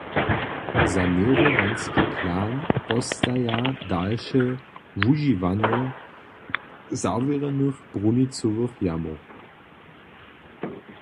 Saněrowanski plan postaja dalše wužiwanje zawrjenych brunicowych jamow.